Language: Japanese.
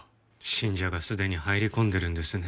信者がすでに入り込んでるんですね。